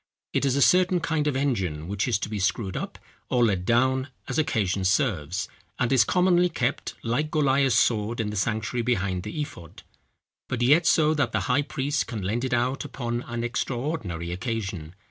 It is a certain kind of engine, which is to be screwed up or let down as occasion serves: and is commonly kept like Goliah's sword in the sanctuary behind the ephod, but yet so that the high priest can lend it out upon an extraordinary occasion.